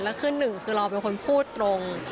แล้วคือหนึ่งคือเราเป็นคนพูดตรง